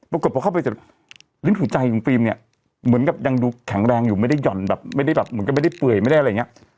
ปรากฏพอเข้าไปเสร็จลิ้นหัวใจของฟิล์มเนี่ยเหมือนกับยังดูแข็งแรงอยู่ไม่ได้หย่อนแบบไม่ได้แบบเหมือนกับไม่ได้เปื่อยไม่ได้อะไรอย่างนี้